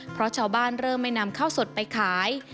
เพราะชาวบ้านเริ่มไม่นำข้าวสดไปขาย